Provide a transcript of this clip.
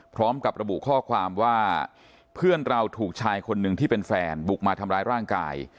พร้อมกับระบุข้อความว่าเพื่อนเราถูกชายคนหนึ่งที่เป็นแฟนบุกมาทำร้ายร่างกาย